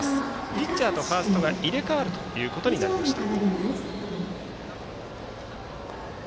ピッチャーとファーストが入れ替わることになりました。